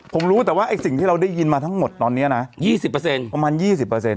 ผมรู้แต่ว่าไอ้สิ่งที่เราได้ยินมาทั้งหมดตอนนี้นะ๒๐ประมาณ๒๐